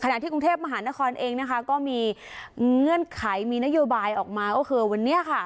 ที่กรุงเทพมหานครเองนะคะก็มีเงื่อนไขมีนโยบายออกมาก็คือวันนี้ค่ะ